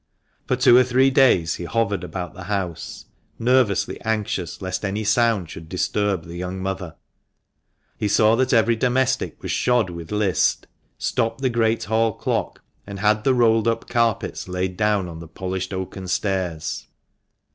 For two or three days he hovered about the house, nervously anxious lest any sound should disturb the young mother. He saw that every domestic was shod with list, stopped the great hall clock, and had the rolled up carpets laid down on the polished oaken stairs.